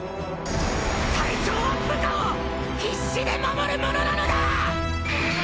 隊長は部下を必死で守るものなのだ！